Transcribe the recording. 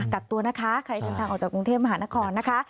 กักตัวนะคะใครเดินทางออกจากกรุงเทพมหานครนะคะ